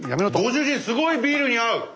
ご主人すごいビールに合う！